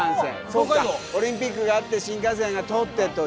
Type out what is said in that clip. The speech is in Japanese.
そうかオリンピックがあって新幹線が通ってという。